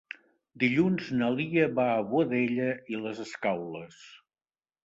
Dilluns na Lia va a Boadella i les Escaules.